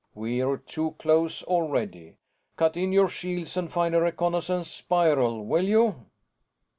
We're too close already. Cut in your shields and find a reconnaissance spiral, will you?"